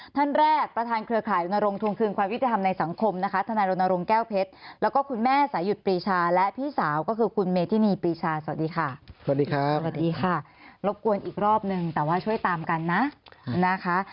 ท่านแรกประธานเครือข่ายโรนโลงทวงคืนความวิทยาธรรมในสังคมนะคะ